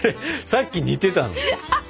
さっき似てたのに。